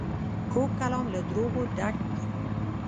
کوږ کلام له دروغو ډک وي